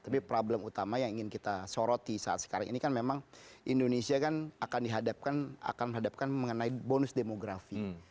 tapi problem utama yang ingin kita soroti saat sekarang ini kan memang indonesia kan akan menghadapkan mengenai bonus demografi